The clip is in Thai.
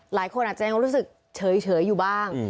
หลายคนอาจจะยังรู้สึกเฉยอยู่บ้าง